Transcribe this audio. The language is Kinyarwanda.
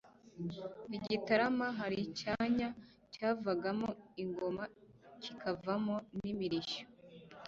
i Gitarama, hari icyanya cyavagamo ingoma kikavamo n'imirishyo.